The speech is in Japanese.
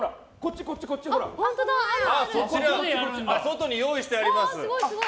外に用意してあります。